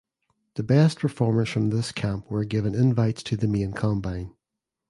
The best performers from this camp were given invites to the main combine.